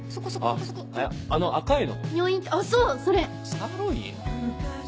サーロイン？